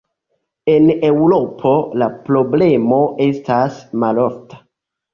En Eŭropo la problemo estas malofta.